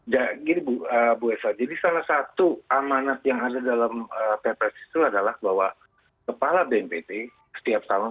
jadi salah satu amanat yang ada dalam pprs itu adalah bahwa kepala bnpt setiap tahun